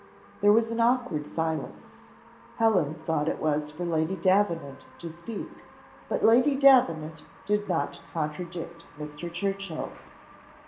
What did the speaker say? There was an awkward silence. Helen thought it was for Lady Davenant to speak; but Lady Davenant did not contradict Mr. Churchill.